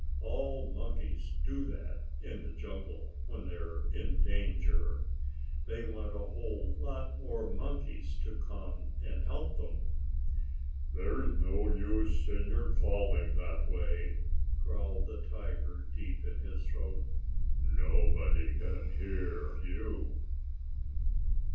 All monkeys do that in the jungle, when they are in danger. They want a whole lot more monkeys to come and help them. "There's no use in your calling that way!" growled the tiger, deep in his throat. "Nobody can hear you!"